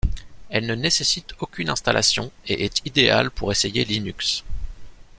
Elle ne nécessite aucune installation et est idéale pour essayer Linux.